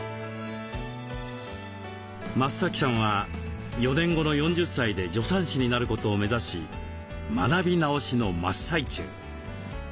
増さんは４年後の４０歳で助産師になることを目指し学び直しの真っ最中。